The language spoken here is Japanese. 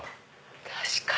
確かに。